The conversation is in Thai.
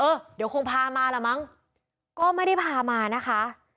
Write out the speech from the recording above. เดี๋ยวคงพามาละมั้งก็ไม่ได้พามานะคะ